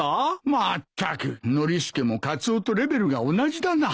まったくノリスケもカツオとレベルが同じだな。